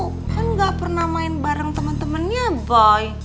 kan nggak pernah main bareng temen temennya boy